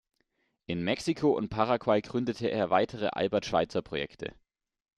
In Mexiko und Paraguay gründete er weitere „Albert Schweitzer“-Projekte.